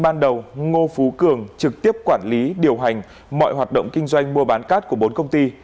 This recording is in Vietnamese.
ban đầu ngô phú cường trực tiếp quản lý điều hành mọi hoạt động kinh doanh mua bán cát của bốn công ty